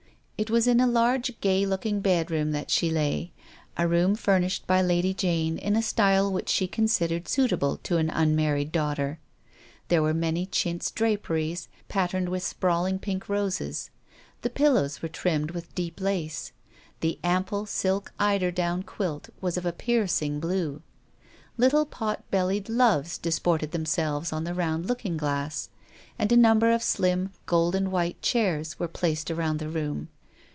It was in a large, gay looking bedroom that she lay ; a room fur nished by Lady Jane in a style which she considered suitable to an unmarried daughter. There were many chintz draperies, patterned with sprawling pink roses ; the pillows were trimmed with deep lace, and the ample silk eider down quilt was of a piercing blue. Little pot bellied Loves disported themselves on the round looking glass, and a number of slim gold and white chairs were placed about the room.